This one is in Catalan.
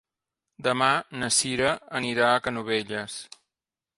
Demà na Cira anirà a Canovelles.